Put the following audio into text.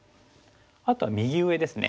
あとは右上ですね。